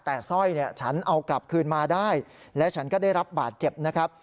แต่สร้อยเนี่ยฉันเอากลับคืนมาได้และฉันก็ได้รับบาดเจ็บนะครับ